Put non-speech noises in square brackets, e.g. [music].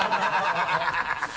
ハハハ [laughs]